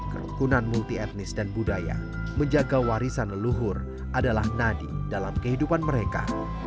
kerukunan multi etnis dan budaya menjaga warisan leluhur adalah nadi dalam kehidupan mereka